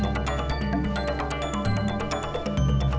selamat kalian berhasil